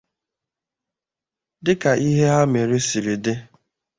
dịka ihe ha mere siri dị.